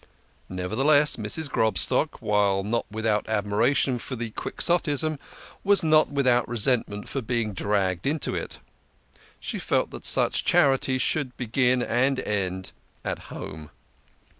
Neverthe less, Mrs. Grobstock, while not without admiration for the Quixotism, was not without resentment for being dragged into it. She felt that such charity should begin and end at home.